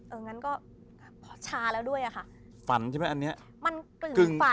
งั้นก็ชาแล้วด้วยอะค่ะฝันใช่ไหมอันเนี้ยมันกลึ่งฝัน